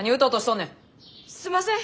すんません！